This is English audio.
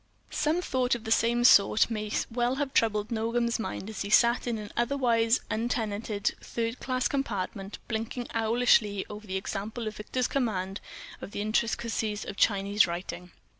Some thought of the same sort may well have troubled Nogam's mind as he sat in an otherwise untenanted third class compartment blinking owlishly over the example of Victor's command of the intricacies of Chinese writing.